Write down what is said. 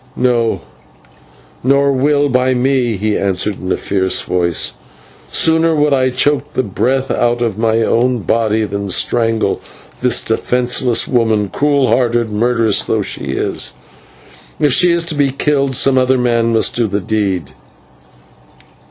"No; nor will be by me," he answered, in a fierce voice, "sooner would I choke the breath out of my own body than strangle this defenceless woman, cruel hearted murderess though she is. If she is to be killed, some other man must do the deed."